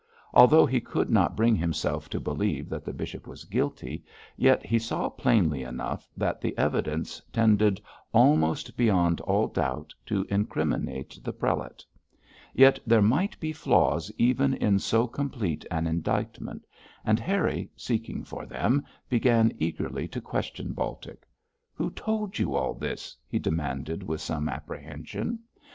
Although he could not bring himself to believe that the bishop was guilty, yet he saw plainly enough that the evidence tended, almost beyond all doubt, to incriminate the prelate. Yet there might be flaws even in so complete an indictment, and Harry, seeking for them, began eagerly to question Baltic. 'Who told you all this?' he demanded with some apprehension.